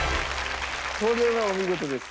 これはお見事です。